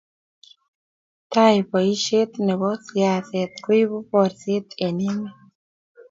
tai, boishet nebo siaset koibu borset eng emet